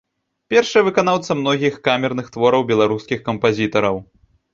Першая выканаўца многіх камерных твораў беларускіх кампазітараў.